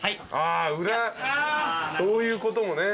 そういうこともね。